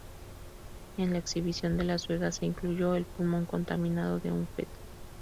En la exhibición de Las Vegas, se incluyó el pulmón contaminado de un feto.